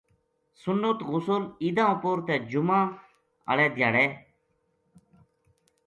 سنت غسل عیداں اپر تے جمعہ آؒلے تیہاڑذے